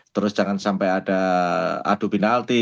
terus jangan sampai ada adu penalti